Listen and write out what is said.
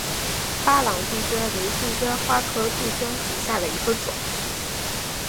巴朗杜鹃为杜鹃花科杜鹃属下的一个种。